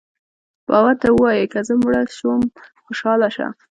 بابا ته ووایئ که زه مړه شوم خوشاله شه.